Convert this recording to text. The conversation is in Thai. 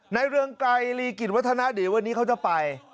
เรืองไกรลีกิจวัฒนะเดี๋ยววันนี้เขาจะไป